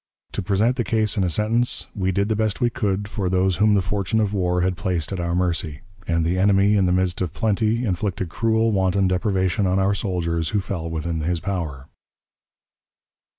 To present the case in a sentence we did the best we could for those whom the fortune of war had placed at our mercy; and the enemy, in the midst of plenty, inflicted cruel, wanton deprivation on our soldiers who fell within his power.